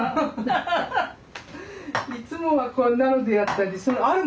いつもはこんなのでやったりあるもので乾杯するの。